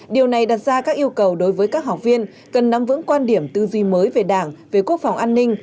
điều này đặt ra các yêu cầu đối với các học viên cần nắm vững quan điểm tư duy mới về đảng về quốc phòng an ninh